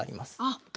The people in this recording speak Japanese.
あっ。